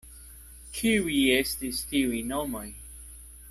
Kiuj estis tiuj nomoj?